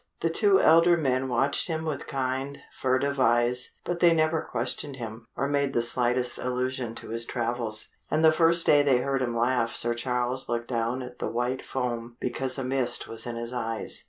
The two elder men watched him with kind, furtive eyes, but they never questioned him, or made the slightest allusion to his travels. And the first day they heard him laugh Sir Charles looked down at the white foam because a mist was in his eyes.